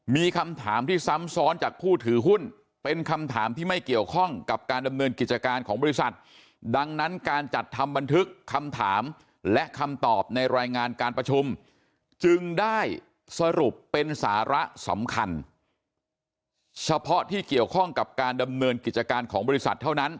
มีคำถามที่ซ้ำซ้อนจากผู้ถือหุ้นเป็นคำถามที่ไม่เกี่ยวข้องกับการดำเนินกิจการของบริษัทดังนั้นการจัดทำบันทึกคำถามและคำตอบในรายงานการประชุมจึงได้สรุปเป็นสาระสำคัญ